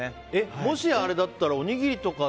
もし、あれだったらおにぎりとか。